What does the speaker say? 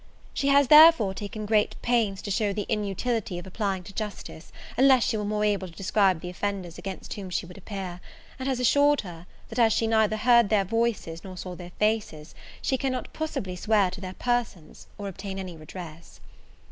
She has, therefore, taken great pains to show the inutility of applying to justice, unless she were more able to describe the offenders against whom she would appear; and has assured her, that as she neither heard their voices, nor saw their faces, she cannot possibly swear to their persons, or obtain any redress.